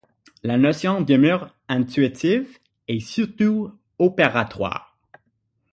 La notion demeure intuitive, et surtout opératoire.